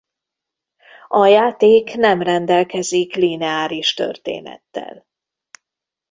A játék nem rendelkezik lineáris történettel.